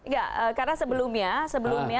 ya karena sebelumnya sebelumnya